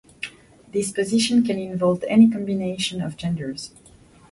This position can involve any combination of genders.